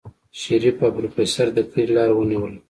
شريف او پروفيسر د کلي لار ونيوله.